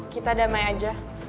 kita damai aja